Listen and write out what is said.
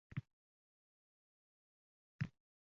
aksioma sifatida qabul qiladigan bo‘lsak